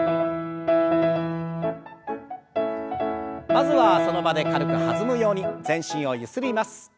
まずはその場で軽く弾むように全身をゆすります。